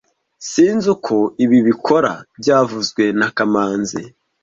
Sinzi uko ibi bikora byavuzwe na kamanzi